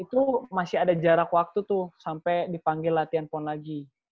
itu masih ada jarak waktu tuh sampai dipanggil latihan pon lagi